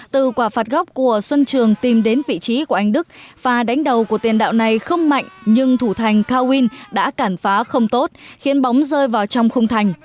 từ quả phạt góc của xuân trường tìm đến vị trí của anh đức và đánh đầu của tiền đạo này không mạnh nhưng thủ thành cao win đã cản phá không tốt khiến bóng rơi vào trong khung thành